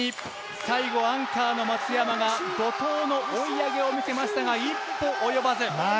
最後アンカーの松山が怒とうの追い上げを見せましたが一歩及ばず。